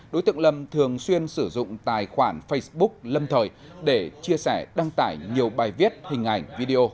đối tượng lâm thường xuyên sử dụng tài khoản facebook lâm thời để chia sẻ đăng tải nhiều bài viết hình ảnh video